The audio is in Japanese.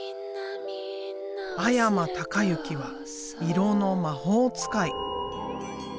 阿山隆之は色の魔法使い。